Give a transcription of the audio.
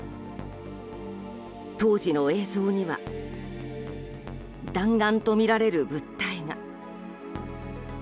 当時の映像には弾丸とみられる物体が。